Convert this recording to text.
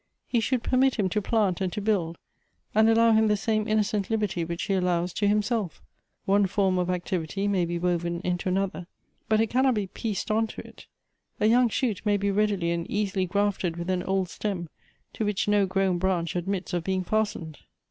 He should pei mit him to plant and to build; and allow him the same innocent liberty which he allows to himself. One form of activity may be woven into another, but it cannot be' pieced on to it. A young shoot may be readily and easily grafted with an old stem, to which no grown branch admits of being fastened.